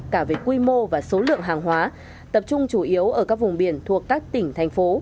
cả về quy mô và số lượng hàng hóa tập trung chủ yếu ở các vùng biển thuộc các tỉnh thành phố